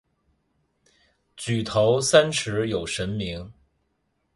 举头三尺有神明。